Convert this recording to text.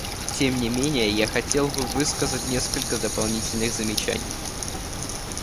Тем не менее я хотел бы высказать несколько дополнительных замечаний.